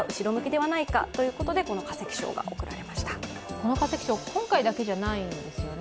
この化石賞、今回だけじゃないんですよね。